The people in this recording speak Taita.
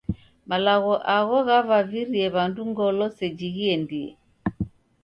Malagho agho ghavavivirie w'andu ngolo seji ghiendie.